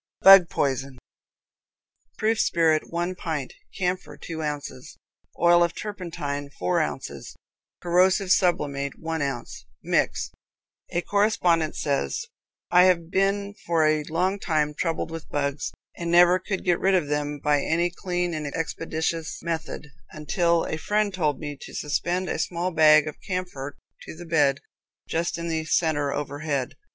Bug Poison. Proof spirit, one pint; camphor, two ounces; oil of turpentine, four ounces; corrosive sublimate, one ounce. Mix. A correspondent says: "I have been for a long time troubled with bugs, and never could get rid of them by any clean and expeditious method, until a friend told me to suspend a small bag of camphor to the bed, just in the center, overhead.